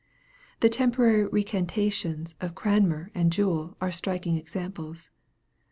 The temporary recantations of Cranmer and Jewell are striking examples.